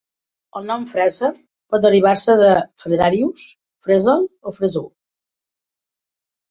El nom Fraser pot derivar-se de Fredarius, Fresel o Freseau.